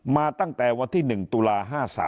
มาตั้งแต่วันที่๑ตุลา๕๓